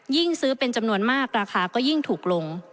ซื้อเป็นจำนวนมากราคาก็ยิ่งถูกลง